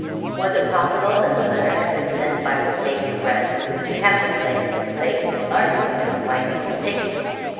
Was it possible that the letter had been sent by mistake to Brandon to Captain Lake? Lake and Larkin, you know, might be mistaken.